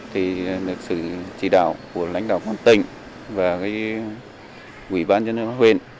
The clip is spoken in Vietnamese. thì được sự chỉ đạo của lãnh đạo quán tỉnh và ủy ban nhân huyện